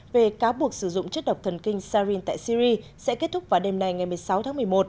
về cáo buộc sử dụng chất độc thần kinh sharin tại syri sẽ kết thúc vào đêm nay ngày một mươi sáu tháng một mươi một